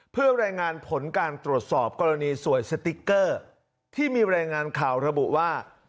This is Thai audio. เพื่อรายงานผลการตรวจสอบกรณีสวยสติ๊กเกอร์ที่มีรายงานข่าวระบุว่า